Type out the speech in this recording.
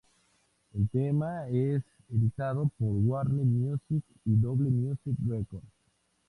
El tema es editado por Warner Music y Doble Music Records.